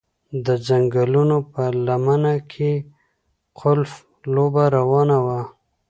د ځنګلونو په لمنه کې ګلف لوبه روانه وه